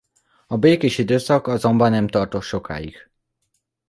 A békés időszak azonban nem tartott sokáig.